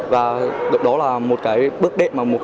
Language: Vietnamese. và đó là một cái bước đệ